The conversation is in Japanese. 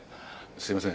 すいません